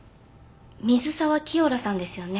水沢キヨラさんですよね？